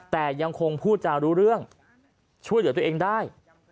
แต่ยังคงพูดจารู้เรื่องช่วยเหลือตัวเองได้